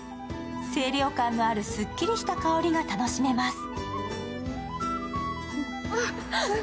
清涼感のあるすっきりした香りが楽しめます。